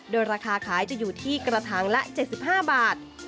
โดยราคาขายจะอยู่ที่กระถางละ๗๕บาท